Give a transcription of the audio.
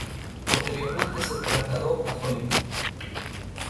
Posteriormente se trasladó a Hollywood.